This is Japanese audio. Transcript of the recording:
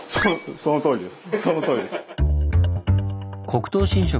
そのとおりです。